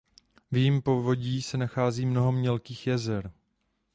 V jejím povodí se nachází mnoho mělkých jezer.